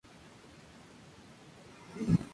George's Square.